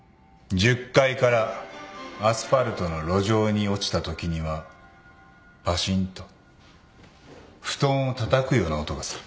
１０階からアスファルトの路上に落ちたときにはパシンと布団をたたくような音がする。